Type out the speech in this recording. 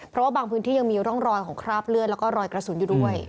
เพราะว่าบางพื้นที่ยังมีร่องรอยของคราบเลือดแล้วก็รอยกระสุนอยู่ด้วย